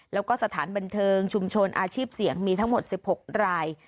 แล้วก็สถานบันเทิงชุมชนอาชีพเสี่ยงมีทั้งหมด๑๖ราย